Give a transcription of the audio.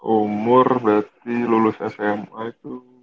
umur berarti lulus sma itu